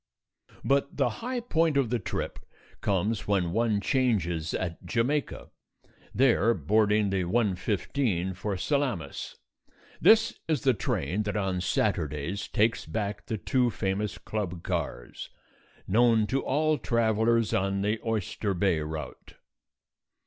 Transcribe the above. But the high point of the trip comes when one changes at Jamaica, there boarding the 1:15 for Salamis. This is the train that on Saturdays takes back the two famous club cars, known to all travellers on the Oyster Bay route.